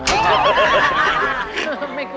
เอิ้อ